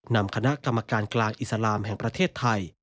นำคณะกรรมการกลางอิสลามแห่งประเทศไทย